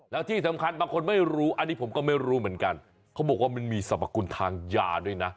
แล้วที่สำคัญบางคนไม่รู้อันนี้ผมก็ไม่รู้เหมือนกันเขาบอกว่ามันมีสรรพคุณทางยาด้วยนะ